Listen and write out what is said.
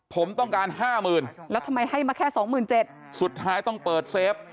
ผมต้องการ๕๐๐๐๐แล้วทำไมให้มาแค่๒๗๐๐๐สุดท้ายต้องเปิดเซฟ